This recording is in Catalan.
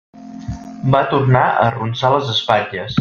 Va tornar a arronsar les espatlles.